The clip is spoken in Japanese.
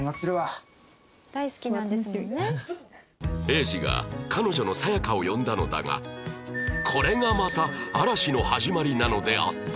英治が彼女のサヤカを呼んだのだがこれがまた嵐の始まりなのであった